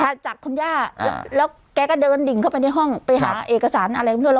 จากคุณย่าแล้วแกก็เดินดิ่งเข้าไปในห้องไปหาเอกสารอะไรพวกเรา